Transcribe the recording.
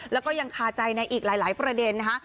แล้วก็ยังคาใจในอีกหลายประเด็นนะคะ